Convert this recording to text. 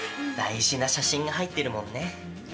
大事な写真が入ってるもんね。